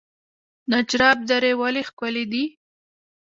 نجراب درې ولې ښکلې دي؟